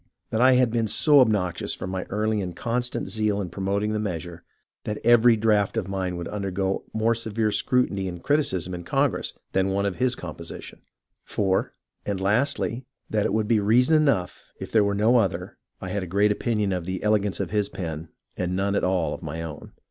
That I had been so obnoxious for my early and constant zeal in promoting the measure, that every draft of mine would undergo a more severe scrutiny and criticism in Congress than one of his com position. 4. And lastly, and that would be reason enough if there were no other, I had a great opinion of the ele gance of his pen and none at all of my own.